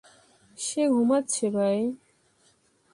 সে ঘুমাচ্ছে ভাই।